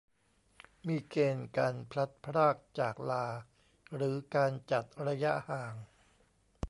มีเกณฑ์การพลัดพรากจากลาหรือการจัดระยะห่าง